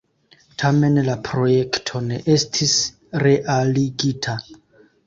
Tamen la projekto ne estis realigita.